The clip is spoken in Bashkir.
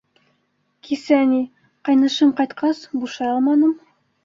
— Кисә ни, ҡәйнешем ҡайтҡас, бушай алманым.